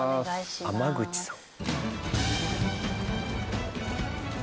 天口さん。